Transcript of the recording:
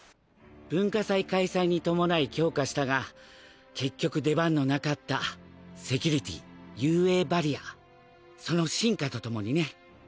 文化祭開催に伴い強化したが結局出番の無かったセキュリティ雄英バリアその真価と共にね。